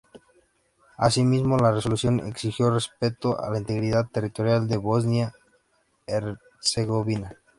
Así mismo, la resolución exigió respeto a la integridad territorial de Bosnia-Herzegovina.